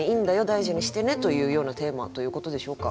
大事にしてねというようなテーマということでしょうか。